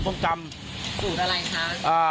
สูตรอะไรค่ะ